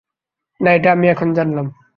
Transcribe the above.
না, এটা আমি এখন জানলাম।